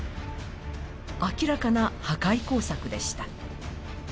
明らかな破壊工作でした。